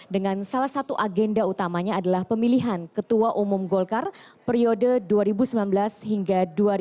dengan salah satu agenda utamanya adalah pemilihan ketua umum golkar periode dua ribu sembilan belas hingga dua ribu dua puluh